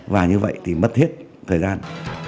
và như vậy thì mất hết thời gian